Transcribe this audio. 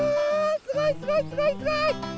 すごいすごいすごいすごい！